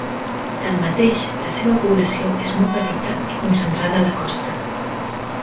Tanmateix, la seva població és molt petita, i concentrada a la costa.